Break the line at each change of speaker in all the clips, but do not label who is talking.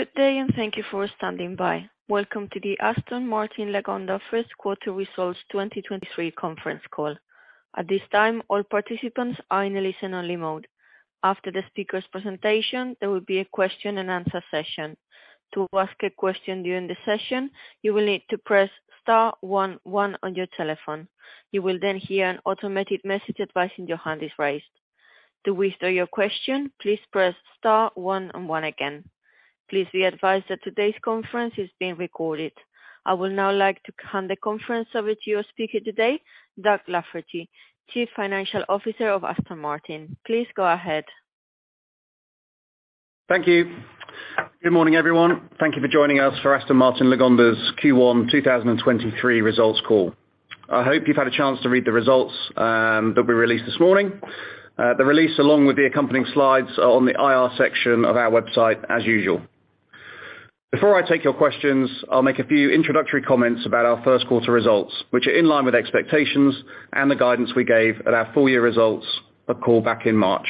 Good day. Thank you for standing by. Welcome to the Aston Martin Lagonda first quarter results 2023 conference call. At this time, all participants are in a listen-only mode. After the speaker's presentation, there will be a question and answer session. To ask a question during the session, you will need to press star one one on your telephone. You will hear an automated message advising your hand is raised. To withdraw your question, please press star one and one again. Please be advised that today's conference is being recorded. I would now like to hand the conference over to your speaker today, Doug Lafferty, Chief Financial Officer of Aston Martin. Please go ahead.
Thank you. Good morning, everyone. Thank you for joining us for Aston Martin Lagonda's Q1 2023 results call. I hope you've had a chance to read the results that we released this morning. The release, along with the accompanying slides, are on the IR section of our website as usual. Before I take your questions, I'll make a few introductory comments about our first quarter results, which are in line with expectations and the guidance we gave at our full year results call back in March.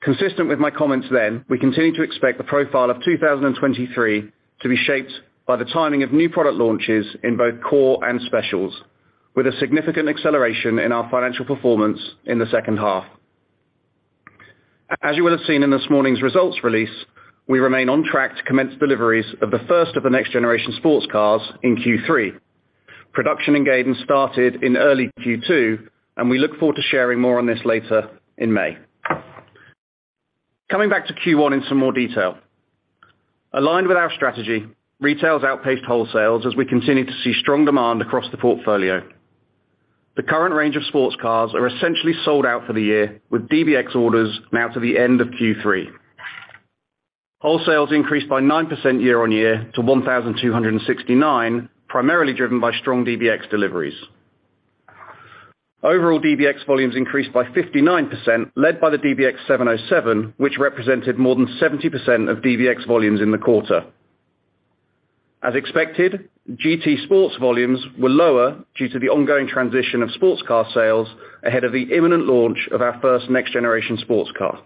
Consistent with my comments then, we continue to expect the profile of 2023 to be shaped by the timing of new product launches in both core and specials, with a significant acceleration in our financial performance in the second half. As you would have seen in this morning's results release, we remain on track to commence deliveries of the first of the next generation sports cars in Q3. Production engagement started in early Q2, and we look forward to sharing more on this later in May. Coming back to Q1 in some more detail. Aligned with our strategy, retail has outpaced wholesales as we continue to see strong demand across the portfolio. The current range of sports cars are essentially sold out for the year, with DBX orders now to the end of Q3. All sales increased by 9% year-on-year to 1,269, primarily driven by strong DBX deliveries. Overall DBX volumes increased by 59%, led by the DBX707, which represented more than 70% of DBX volumes in the quarter. As expected, GT sports volumes were lower due to the ongoing transition of sports car sales ahead of the imminent launch of our first next generation sports car.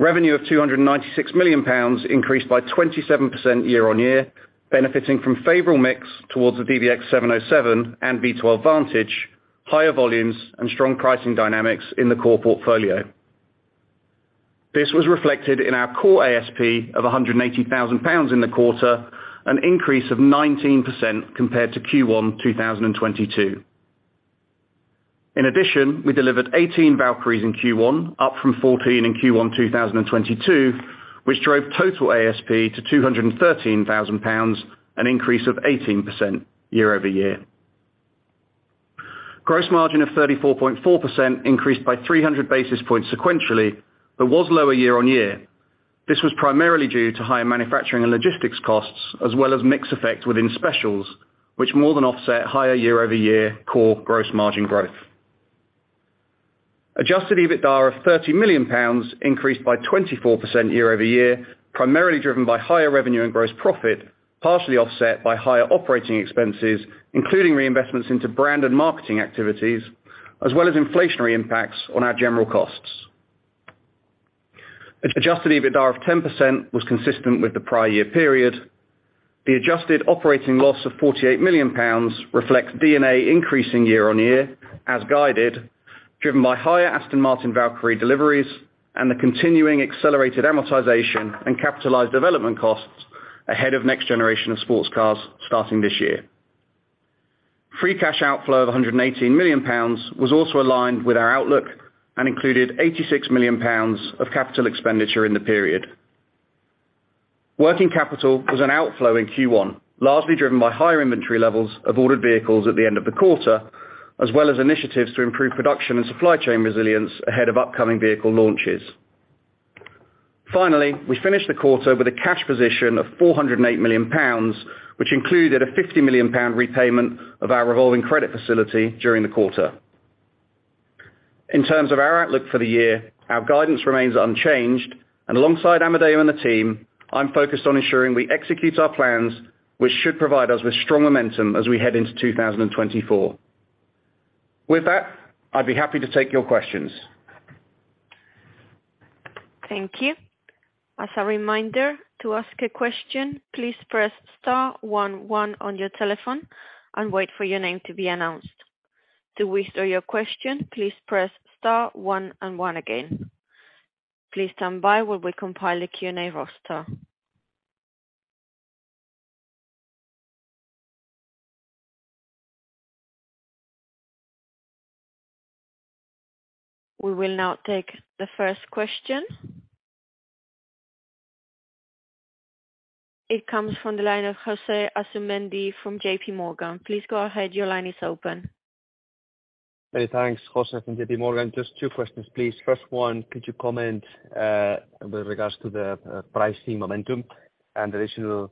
Revenue of 296 million pounds increased by 27% year-on-year, benefiting from favorable mix towards the DBX707 and V12 Vantage, higher volumes and strong pricing dynamics in the core portfolio. This was reflected in our core ASP of 180,000 pounds in the quarter, an increase of 19% compared to Q1 2022. In addition, we delivered 18 Valkyries in Q1, up from 14 in Q1 2022, which drove total ASP to 213,000 pounds, an increase of 18% year-over-year. Gross margin of 34.4% increased by 300 basis points sequentially, but was lower year-on-year. This was primarily due to higher manufacturing and logistics costs, as well as mix effect within specials, which more than offset higher year-over-year core gross margin growth. Adjusted EBITDA of 30 million pounds increased by 24% year-over-year, primarily driven by higher revenue and gross profit, partially offset by higher operating expenses, including reinvestments into brand and marketing activities, as well as inflationary impacts on our general costs. Adjusted EBITDA of 10% was consistent with the prior year period. The adjusted operating loss of 48 million pounds reflects D&A increasing year-on-year as guided, driven by higher Aston Martin Valkyrie deliveries and the continuing accelerated amortization and capitalized development costs ahead of next generation of sports cars starting this year. Free cash outflow of 118 million pounds was also aligned with our outlook and included 86 million pounds of capital expenditure in the period. Working capital was an outflow in Q1, largely driven by higher inventory levels of ordered vehicles at the end of the quarter, as well as initiatives to improve production and supply chain resilience ahead of upcoming vehicle launches. Finally, we finished the quarter with a cash position of 408 million pounds, which included a 50 million pound repayment of our Revolving Credit Facility during the quarter. In terms of our outlook for the year, our guidance remains unchanged, alongside Amedeo and the team, I'm focused on ensuring we execute our plans, which should provide us with strong momentum as we head into 2024. With that, I'd be happy to take your questions.
Thank you. As a reminder, to ask a question, please press star 1 1 on your telephone and wait for your name to be announced. To withdraw your question, please press star 1 and 1 again. Please stand by while we compile the Q&A roster. We will now take the first question. It comes from the line of José Asumendi from J.P. Morgan. Please go ahead. Your line is open.
Hey, thanks. José Asumendi from J.P. Morgan. Just two questions, please. First one, could you comment with regards to the pricing momentum and the additional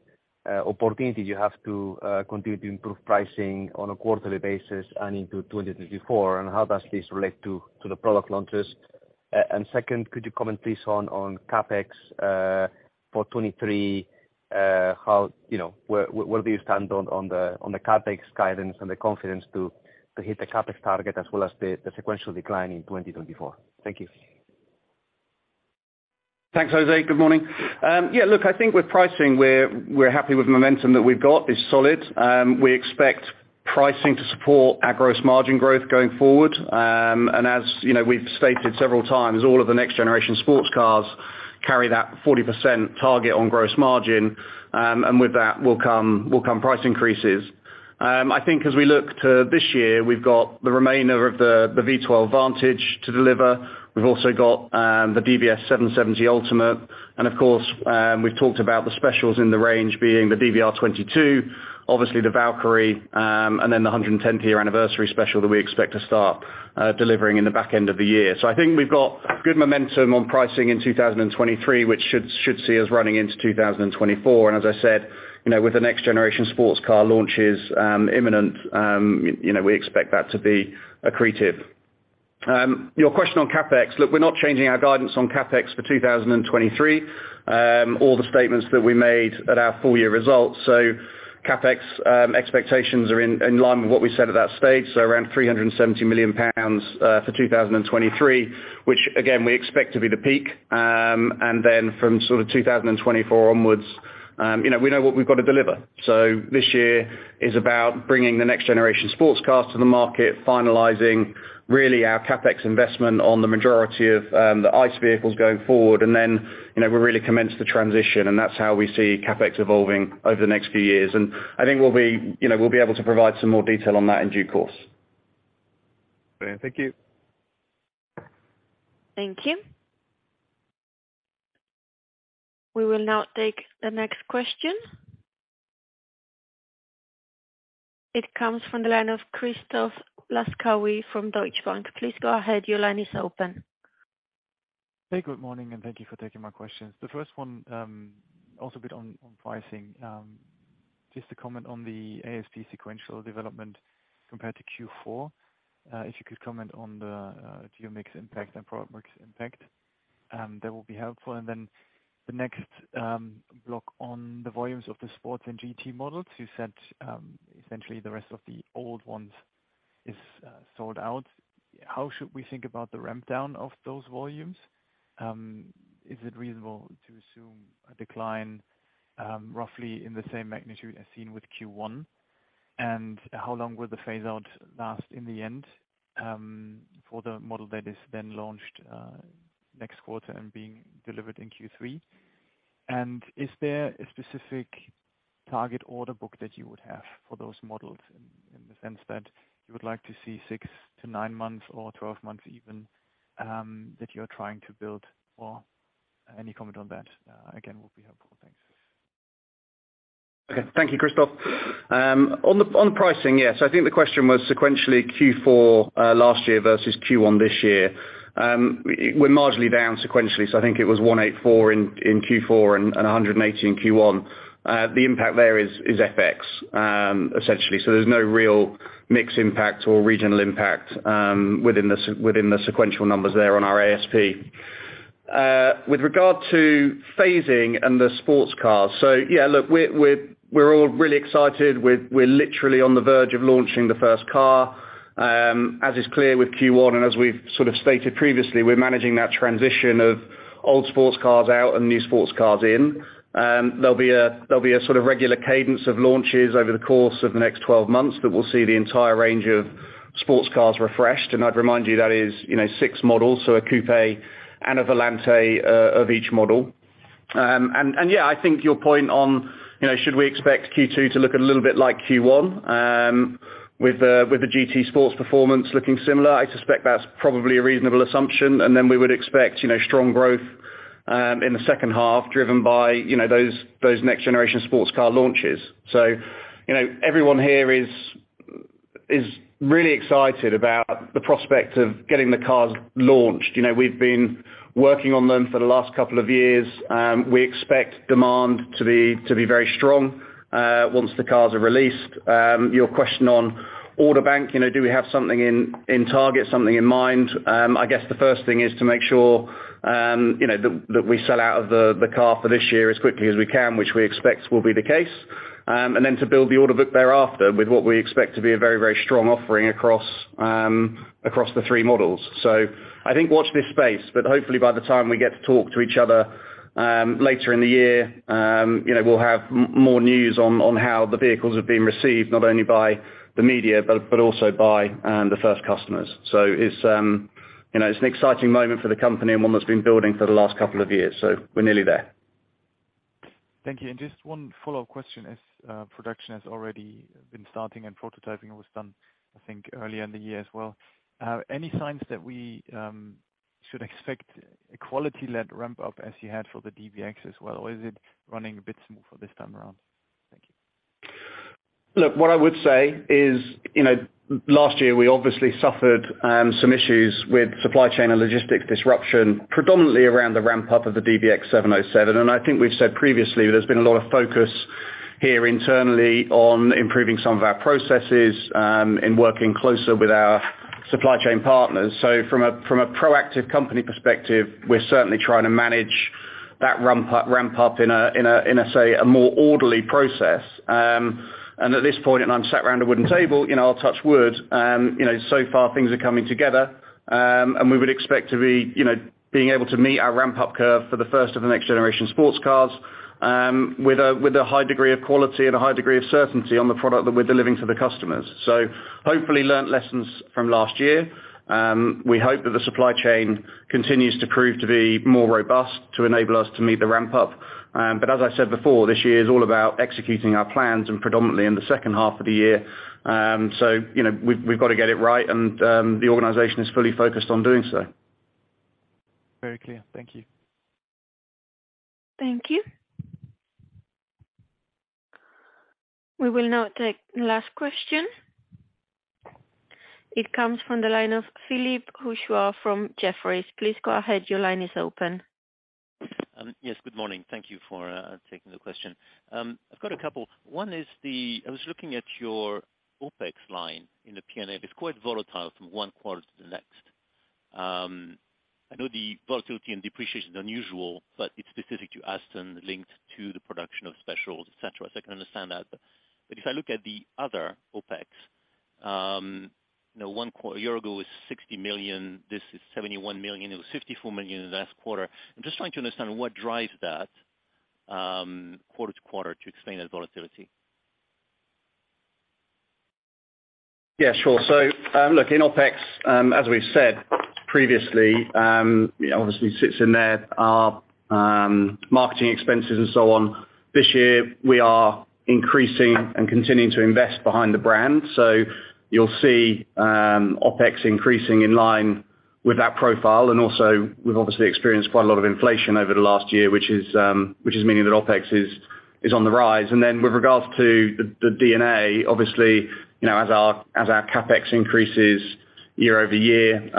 opportunity you have to continue to improve pricing on a quarterly basis and into 2024? How does this relate to the product launches? Second, could you comment please on CapEx for 23? Where do you stand on the CapEx guidance and the confidence to hit the CapEx target as well as the sequential decline in 2024? Thank you.
Thanks, José Asumendi. Good morning. Yeah, look, I think with pricing we're happy with the momentum that we've got. It's solid. We expect pricing to support our gross margin growth going forward. As we've stated several times, all of the next generation sports cars carry that 40% target on gross margin. With that will come price increases. I think as we look to this year, we've got the remainder of the V12 Vantage to deliver. We've also got the DBS 770 Ultimate and of course, we've talked about the specials in the range being the DBR22, obviously the Valkyrie, and then the 110th year anniversary special that we expect to start delivering in the back end of the year. I think we've got good momentum on pricing in 2023, which should see us running into 2024. As I said, with the next generation sports car launch is imminent we expect that to be accretive. Your question on CapEx. Look, we're not changing our guidance on CapEx for 2023. All the statements that we made at our full year results, so CapEx, expectations are in line with what we said at that stage, so around 370 million pounds, for 2023, which again, we expect to be the peak. From sort of 2024 onwards we know what we've got to deliver. This year is about bringing the next generation sports cars to the market, finalizing really our CapEx investment on the majority of the ICE vehicles going forward. We really commence the transition, and that's how we see CapEx evolving over the next few years. I think we'll be we'll be able to provide some more detail on that in due course.
Thank you.
Thank you. We will now take the next question. It comes from the line of Christoph Laskawi from Deutsche Bank. Please go ahead. Your line is open.
Hey, good morning, and thank you for taking my questions. The first one, also a bit on pricing. Just to comment on the ASP sequential development compared to Q4. If you could comment on the geo-mix impact and product mix impact, that will be helpful. The next block on the volumes of the sports and GT models, you said, essentially the rest of the old ones is sold out. How should we think about the ramp down of those volumes? Is it reasonable to assume a decline, roughly in the same magnitude as seen with Q1? How long will the phase out last in the end, for the model that is then launched next quarter and being delivered in Q3? Is there a specific target order book that you would have for those models in the sense that you would like to see 6 to 9 months or 12 months even that you're trying to build? Any comment on that again, will be helpful. Thanks.
Okay. Thank you, Christoph Laskawi. On pricing, yes. I think the question was sequentially Q4 last year versus Q1 this year. We're marginally down sequentially, so I think it was 184 in Q4 and 180 in Q1. The impact there is FX essentially. There's no real mix impact or regional impact within the sequential numbers there on our ASP. With regard to phasing and the sports cars. Yeah, look, we're all really excited. We're literally on the verge of launching the first car. As is clear with Q1 and as we've sort of stated previously, we're managing that transition of old sports cars out and new sports cars in. There'll be a sort of regular cadence of launches over the course of the next 12 months that will see the entire range of sports cars refreshed. I'd remind you that is six models, so a Coupe and a Volante of each model. Yeah, I think your point on should we expect Q2 to look a little bit like Q1 with the GT sports performance looking similar, I suspect that's probably a reasonable assumption. Then we would expect strong growth in the second half driven by those next generation sports car launches. Everyone here is really excited about the prospect of getting the cars launched. We've been working on them for the last couple of years. We expect demand to be very strong once the cars are released. Your question on order bank do we have something in target, something in mind? I guess the first thing is to make sure that we sell out of the car for this year as quickly as we can, which we expect will be the case. Then to build the order book thereafter with what we expect to be a very, very strong offering across the three models. I think watch this space, but hopefully by the time we get to talk to each other later in the year we'll have more news on how the vehicles have been received, not only by the media, but also by the first customers. It's an exciting moment for the company and one that's been building for the last couple of years. We're nearly there.
Thank you. Just one follow-up question. As production has already been starting and prototyping was done, I think, earlier in the year as well, any signs that we should expect a quality led ramp up as you had for the DBX as well, or is it running a bit smoother this time around? Thank you.
Look, what I would say is last year we obviously suffered some issues with supply chain and logistics disruption, predominantly around the ramp up of the DBX707. I think we've said previously, there's been a lot of focus here internally on improving some of our processes in working closer with our supply chain partners. From a, from a proactive company perspective, we're certainly trying to manage that ramp up in a, say, a more orderly process. At this point, and I'm sat around a wooden table I'll touch wood. So far things are coming together. We would expect to be being able to meet our ramp up curve for the first of the next generation sports cars, with a high degree of quality and a high degree of certainty on the product that we're delivering to the customers. Hopefully learned lessons from last year. We hope that the supply chain continues to prove to be more robust, to enable us to meet the ramp up. As I said before, this year is all about executing our plans and predominantly in the second half of the year. We've got to get it right and the organization is fully focused on doing so.
Very clear. Thank you.
Thank you. We will now take the last question. It comes from the line of Philippe Houchois from Jefferies. Please go ahead. Your line is open.
Yes, good morning. Thank you for taking the question. I've got a couple. One is the... I was looking at your OpEx line in the P&L. It's quite volatile from one quarter to the next. I know the volatility and depreciation is unusual, but it's specific to Aston linked to the production of specials, et cetera. I can understand that. If I look at the other OpEx a year ago, it was 60 million, this is 71 million. It was 54 million in the last quarter. I'm just trying to understand what drives that, quarter to quarter to explain that volatility.
Sure. look, in OpEx, as we've said previously obviously sits in there are marketing expenses and so on. This year we are increasing and continuing to invest behind the brand. You'll see OpEx increasing in line with that profile. Also, we've obviously experienced quite a lot of inflation over the last year, which is meaning that OpEx is on the rise. Then with regards to the DNA, obviously as our, as our CapEx increases year-over-year,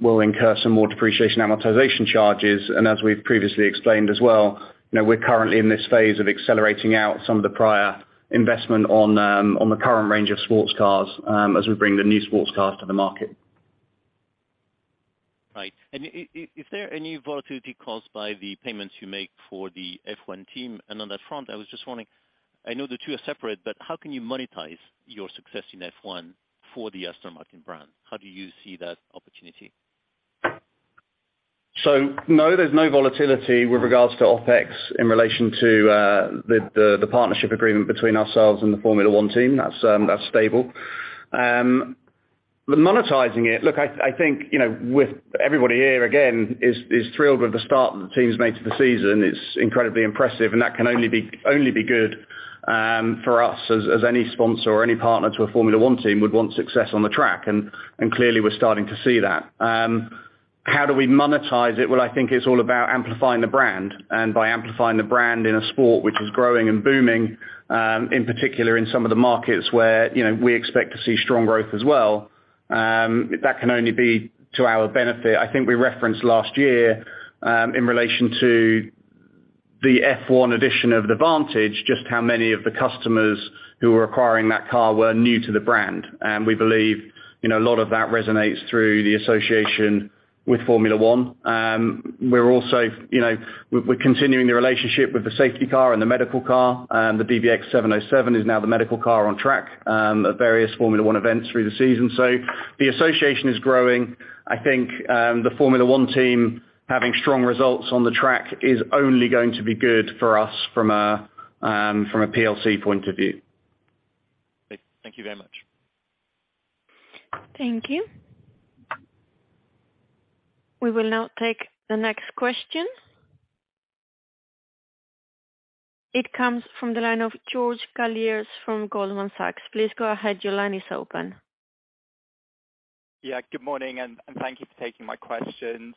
we'll incur some more depreciation amortization charges. As we've previously explained as well we're currently in this phase of accelerating out some of the prior investment on the current range of sports cars, as we bring the new sports cars to the market.
Right. Is there any volatility caused by the payments you make for the F1 team? On that front, I was just wondering, I know the two are separate, but how can you monetize your success in F1 for the Aston Martin brand? How do you see that opportunity?
No, there's no volatility with regards to OpEx in relation to the partnership agreement between ourselves and the Formula One team. That's stable. Monetizing it. Look, I think with everybody here again, is thrilled with the start that the team's made to the season. It's incredibly impressive and that can only be good for us as any sponsor or any partner to a Formula One team would want success on the track. Clearly we're starting to see that. How do we monetize it? Well, I think it's all about amplifying the brand. By amplifying the brand in a sport which is growing and booming, in particular in some of the markets where we expect to see strong growth as well, that can only be to our benefit. I think we referenced last year, in relation to the F1 Edition of the Vantage, just how many of the customers who were acquiring that car were new to the brand. We believe a lot of that resonates through the association with Formula One. We're also we're continuing the relationship with the Safety Car and the Medical Car and the DBX707 is now the Medical Car on track, at various Formula One events through the season. The association is growing. I think, the Formula One team having strong results on the track is only going to be good for us from a, from a PLC point of view.
Great. Thank you very much.
Thank you. We will now take the next question. It comes from the line of George Galliers from Goldman Sachs. Please go ahead. Your line is open.
Yeah, good morning, and thank you for taking my questions.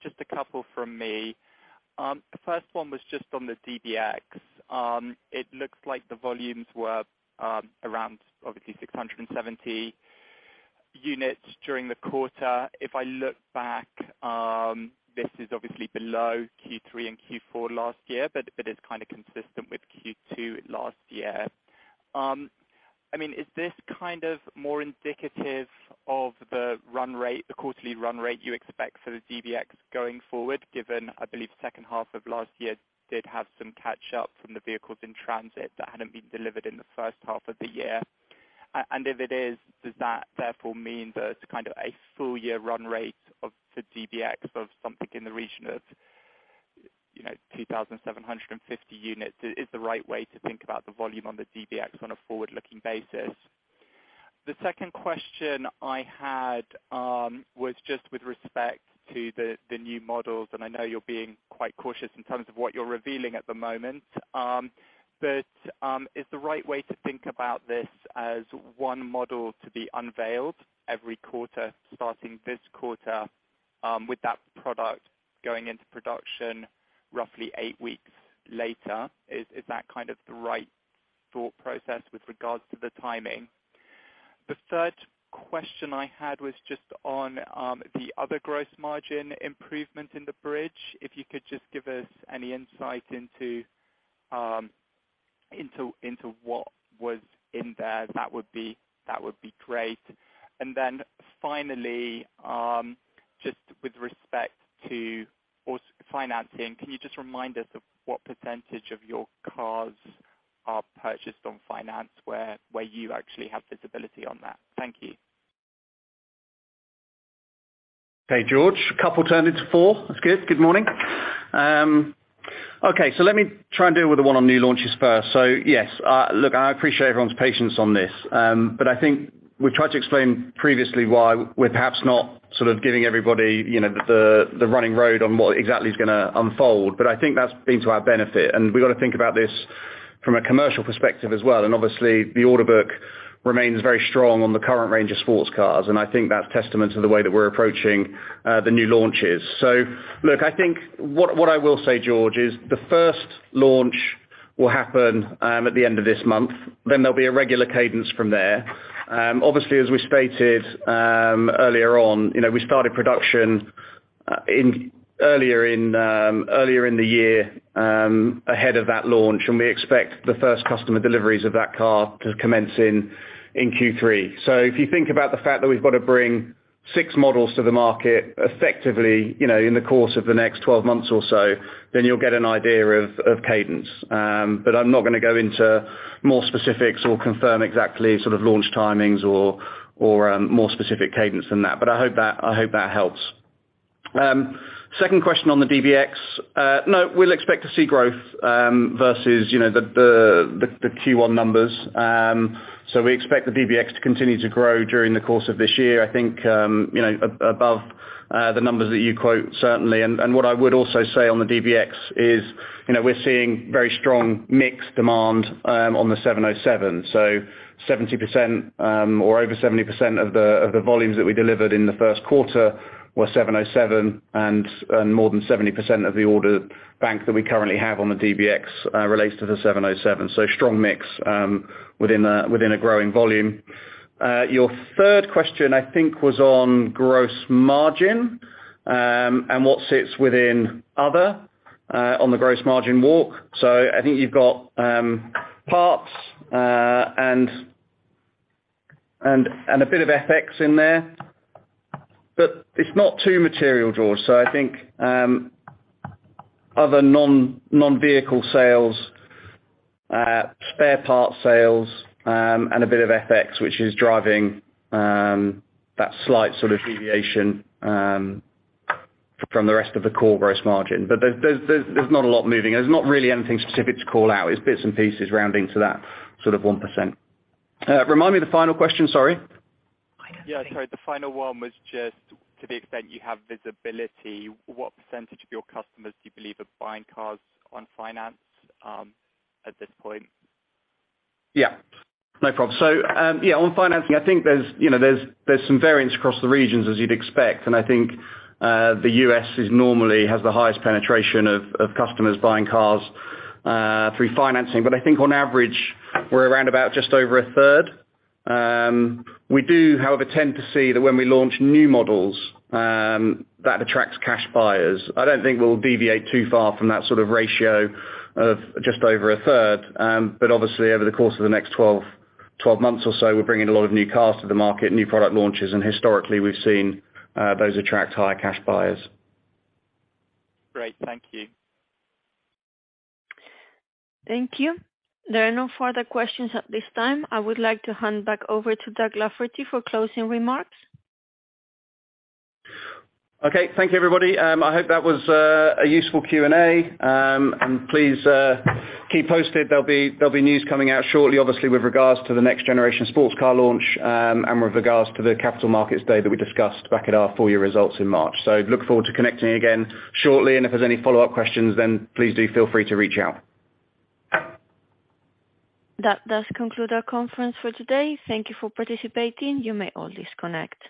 Just a couple from me. The first one was just on the DBX. It looks like the volumes were around obviously 670 units during the quarter. If I look back, this is obviously below Q3 and Q4 last year, but it is consistent with Q2 last year. I mean, is this more indicative of the run rate, the quarterly run rate you expect for the DBX going forward, given I believe the second half of last year did have some catch up from the vehicles in transit that hadn't been delivered in the first half of the year? If it is, does that therefore mean that a full year run rate of the DBX of something in the region of 2,750 units is the right way to think about the volume on the DBX on a forward-looking basis? The second question I had, was just with respect to the new models, and I know you're being quite cautious in terms of what you're revealing at the moment. Is that right way to think about this as one model to be unveiled every quarter starting this quarter, with that product going into production roughly eight weeks later? Is that the right thought process with regards to the timing? The third question I had was just on the other gross margin improvement in the bridge. If you could just give us any insight into what was in there, that would be great. Finally, just with respect to also financing, can you just remind us of what % of your cars are purchased on finance where you actually have visibility on that? Thank you.
Okay, George Galliers. A couple turned into four. That's good. Good morning. Let me try and deal with the one on new launches first. Yes. Look, I appreciate everyone's patience on this. I think we tried to explain previously why we're perhaps not sort of giving everybody the running road on what exactly is going to unfold. I think that's been to our benefit, and we've gotta think about this from a commercial perspective as well. Obviously, the order book remains very strong on the current range of sports cars, and I think that's testament to the way that we're approaching, the new launches. Look, I think what I will say, George Galliers, is the first launch will happen, at the end of this month, then there'll be a regular cadence from there. Obviously, as we stated, earlier on we started production earlier in the year, ahead of that launch, and we expect the first customer deliveries of that car to commence in Q3. If you think about the fact that we've got to bring six models to the market effectively in the course of the next 12 months or so, you'll get an idea of cadence. I'm not going to go into more specifics or confirm exactly sort of launch timings or more specific cadence than that. I hope that helps. Second question on the DBX. No, we'll expect to see growth, versus the Q1 numbers. We expect the DBX to continue to grow during the course of this year. I think above the numbers that you quote, certainly. What I would also say on the DBX is we're seeing very strong mix demand on the 707. 70%, or over 70% of the volumes that we delivered in Q1 were 707 and more than 70% of the order bank that we currently have on the DBX relates to the 707. Strong mix within a growing volume. Your third question, I think, was on gross margin and what sits within other on the gross margin walk. I think you've got parts and a bit of FX in there, but it's not too material, George Galliers. I think other non-vehicle sales, spare parts sales, and a bit of FX, which is driving that slight sort of deviation from the rest of the core gross margin. There's not a lot moving. There's not really anything specific to call out. It's bits and pieces rounding to that sort of 1%. Remind me the final question, sorry.
Yeah, sorry. The final one was just to the extent you have visibility, what % of your customers do you believe are buying cars on finance at this point?
Yeah. No problem. On financing, I think there's some variance across the regions as you'd expect. I think the U.S. is normally has the highest penetration of customers buying cars through financing. I think on average, we're around about just over a third. We do, however, tend to see that when we launch new models, that attracts cash buyers. I don't think we'll deviate too far from that sort of ratio of just over a third. Obviously over the course of the next 12 months or so, we're bringing a lot of new cars to the market, new product launches, and historically we've seen those attract higher cash buyers.
Great. Thank you.
Thank you. There are no further questions at this time. I would like to hand back over to Doug Lafferty for closing remarks.
Thank you, everybody. I hope that was a useful Q&A. Please keep posted. There'll be news coming out shortly, obviously, with regards to the next generation sports car launch, and with regards to the Capital Markets Day that we discussed back at our full-year results in March. Look forward to connecting again shortly, and if there's any follow-up questions, then please do feel free to reach out.
That does conclude our conference for today. Thank you for participating. You may all disconnect.